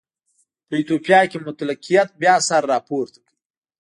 په ایتوپیا کې مطلقیت بیا سر راپورته کړ.